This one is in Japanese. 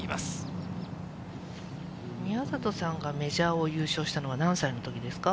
宮里さんがメジャーを優勝したのは、何歳のときですか？